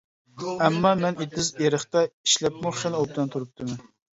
ئەمما مەن ئېتىز-ئېرىقتا ئىشلەپمۇ خېلى ئوبدان تۇرۇپتىمەن.